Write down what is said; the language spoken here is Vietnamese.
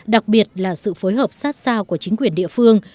đặc biệt là sự phối hợp sát sao của chính quyền địa phương